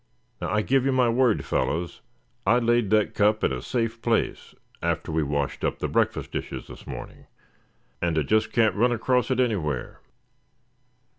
Now I give you my word, fellows, I laid that cup in a safe place after we washed up the breakfast dishes this morning. And I just can't run across it anywhere.